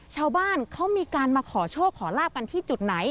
ชาวบ้านเขามีการมาขอโชคขอลาบกันที่จุดไหน